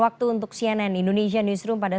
waktu untuk cnn indonesia newsroom pada